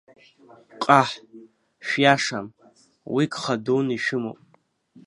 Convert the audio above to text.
Ҟаҳ, шәиашам, уи гха дуны ишәымоуп!